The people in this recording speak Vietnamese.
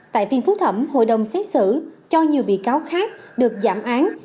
tại phiên phúc thẩm hội đồng xét xử cho nhiều bị cáo khác được giảm án